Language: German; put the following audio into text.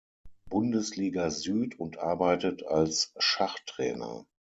Bundesliga Süd und arbeitet als Schachtrainer.